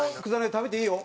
食べていいよ。